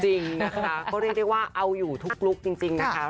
จริงนะคะก็เรียกได้ว่าเอาอยู่ทุกลุคจริงนะคะ